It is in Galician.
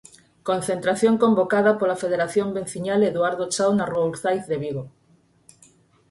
Concentración convocada pola Federación Veciñal Eduardo Chao, na rúa Urzáiz de Vigo.